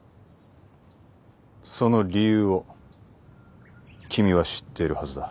その理由を君は知っているはずだ。